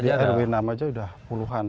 di rw enam aja udah puluhan